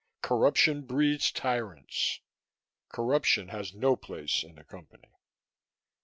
Corruption breeds tyrants. Corruption has no place in the Company.